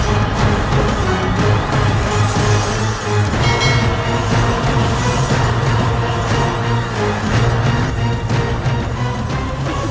itu bukan perasaanmu